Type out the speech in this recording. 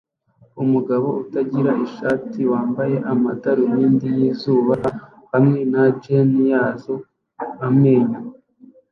Umugabo utagira ishati wambaye amadarubindi yizuba hamwe na jans yoza amenyo